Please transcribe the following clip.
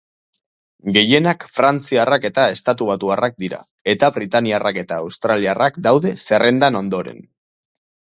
Gehienak frantziarrak eta estatubatuarrak dira, eta britainiarrak eta australiarrak daude zerrendan ondoren.